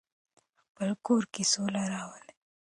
خپل کور کې سوله راولئ.